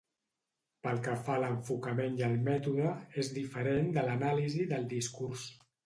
Pel que fa a l'enfocament i el mètode, és diferent de l'anàlisi del discurs.